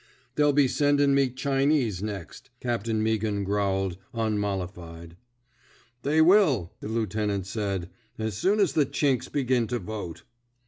They'll be sendiu' me Chinese next," Captain Meaghan growled, unmollified. They will," the lieutenant said, as soon as the Chinks begiu to vote."